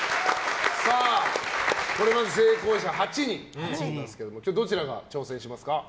これまで成功者８人だったんですが今日、どちらが挑戦しますか？